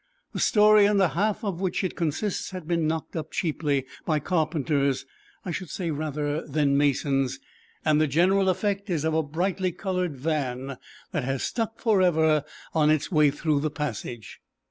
The story and a half of which it consists had been knocked up cheaply, by carpenters I should say rather than masons, and the general effect is of a brightly coloured van that has stuck for ever on its way through the passage.